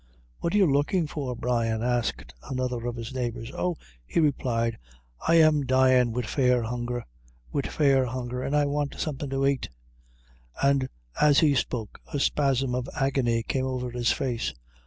"What are you looking for, Brian?" asked another of his neighbors. "Oh," he replied, "I am dyin' wid fair hunger wid fair hunger, an' I want something to ait;" and as he spoke, a spasm of agony came over his face.